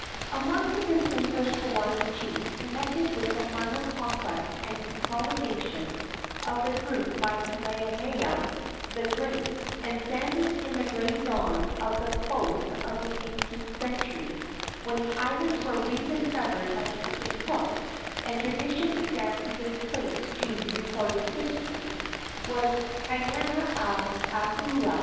Among the distinguished Hawaiian chiefs connected with the final conquest and consolidation of the group by Kamehameha the Great, and standing in the gray dawn of the close of the eighteenth century, when the islands were rediscovered by Captain Cook and tradition began to give place to recorded history, was Kaiana a Ahaula.